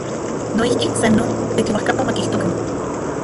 Noijki, san non, tekiuajkapa makijtokan.